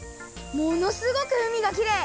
ものすごくうみがきれい！